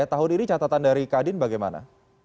tahun ini catatan dari kadin bagaimana